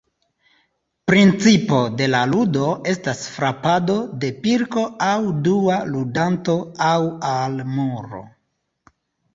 Principo de la ludo estas frapado de pilko al dua ludanto aŭ al muro.